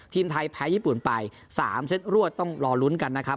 ทีมไทยแพ้ญี่ปุ่นไป๓เซตรวดต้องรอลุ้นกันนะครับ